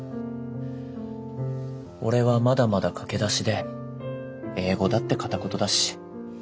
俺はまだまだ駆け出しで英語だって片言だし。